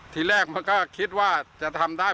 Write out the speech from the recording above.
ทีแรกมันก็คิดว่าจะทำได้